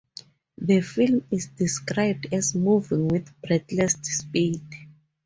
The film is described as moving with "breathless speed".